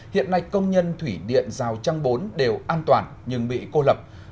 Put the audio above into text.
hiện nay công nhân thủy điện giao trang bốn đều an toàn nhưng bị cô lập